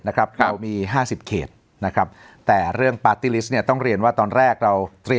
นะครับเรามี๕๐เหตุนะครับแต่เรื่องต้องเรียนว่าตอนแรกเราอณไว้